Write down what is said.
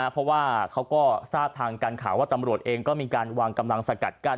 เพราะว่าเขาก็ทราบทางการข่าวว่าตำรวจเองก็มีการวางกำลังสกัดกั้น